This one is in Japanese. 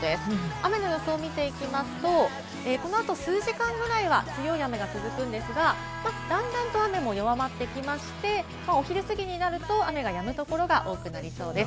雨の予想を見ていきますと、この後、数時間くらいは強い雨が続くんですが、段々と雨も弱まってきまして、お昼過ぎになると雨がやむところが多くなりそうです。